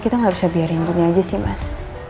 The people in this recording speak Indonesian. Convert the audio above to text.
kita gak bisa biarin dunia aja sih mas